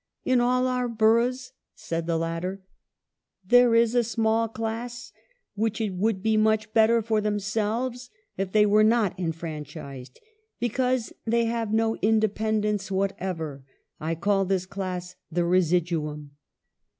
*' In all our boroughs," said the latter, " there is a small class which it would be much better for themselves if they were not enfranchised, because they have no independence whatever. ... I call this class the residuum."